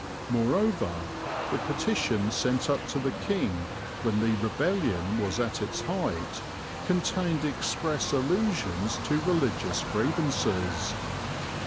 Moreover, the petition sent up to the king when the rebellion was at its height contained express allusions to religious grievances.